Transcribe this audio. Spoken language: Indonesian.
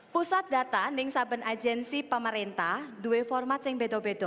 pusat data di sabun agensi pemerintah dua format yang beda beda